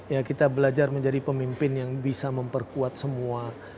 ya kita belajar menjadi pemimpin yang bisa memperkuat semua